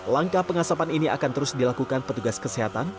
langkah pengasapan ini akan terus dilakukan petugas kesehatan